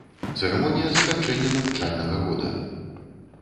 Цырымонія заканчэння навучальнага года.